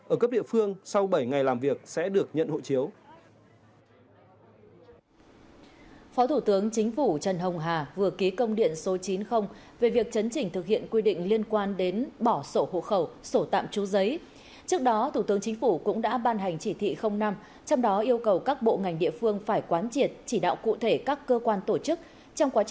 ở cấp địa phương sau bảy ngày làm việc sẽ được nhận hộ chiếu